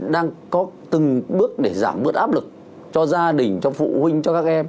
đang có từng bước để giảm bớt áp lực cho gia đình cho phụ huynh cho các em